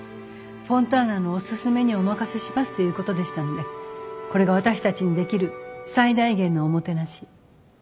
フォンターナのおすすめにお任せしますということでしたのでこれが私たちにできる最大限のおもてなし。